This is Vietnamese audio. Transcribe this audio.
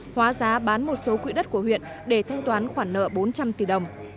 hóa giá bán một số quỹ đất của huyện để thanh toán khoản nợ bốn trăm linh tỷ đồng